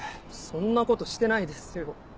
そんなことしてないですよ。